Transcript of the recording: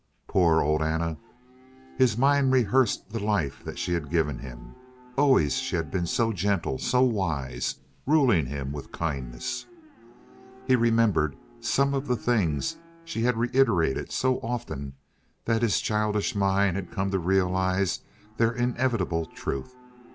Poor old Anna. His mind rehearsed the life that she had given him. Always she had been so gentle, so wise, ruling him with kindness. He remembered some of the things she had reiterated so often that his childish mind had come to realize their inevitable truth.